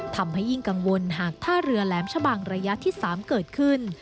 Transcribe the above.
ทำให้ยิ่งกังวลหากท่าเรือแหลมชะบังระยะที่๓เกิดขึ้น